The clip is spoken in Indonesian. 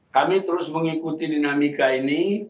kami terus mengikuti dinamika ini